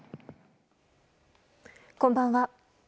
こんばんは。